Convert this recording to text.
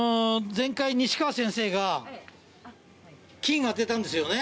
前回西川先生が金当てたんですよね。